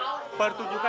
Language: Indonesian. woy beruan dong mulai